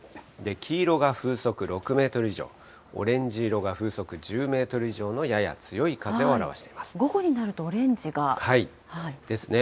黄色が風速６メートル以上、オレンジ色が風速１０メートル以上のやや強い風を表しています。ですね。